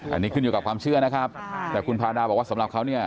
อันนี้ขึ้นอยู่กับความเชื่อนะครับแต่คุณพาดาบอกว่าสำหรับเขาเนี่ย